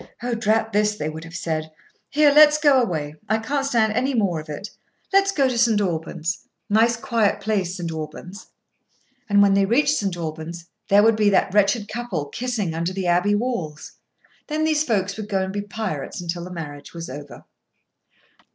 "Oh, drat this!" they would have said. "Here, let's go away. I can't stand any more of it. Let's go to St. Albans—nice quiet place, St. Albans." [Picture: River scene] And when they reached St. Albans, there would be that wretched couple, kissing under the Abbey walls. Then these folks would go and be pirates until the marriage was over.